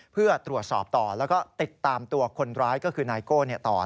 เพื่อตรวจสอบต่อแล้วก็ติดตามตัวคนร้ายก็คือนายโก้ต่อ